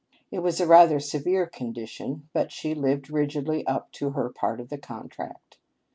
It was a rather severe condition, but she lived rigidly up to her part of the contract.